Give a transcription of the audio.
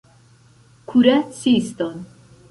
Kuraciston!